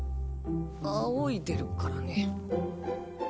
あおいでるからね。